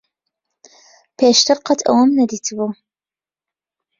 پێشتر قەت ئەوەم نەدیتبوو.